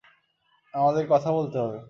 আমাদের কথা বলতে হবে।